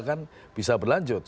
kan bisa berlanjut